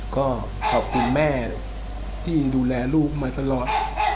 ก็ขอบคุณแม่ที่ดูแลลูกมาตลอด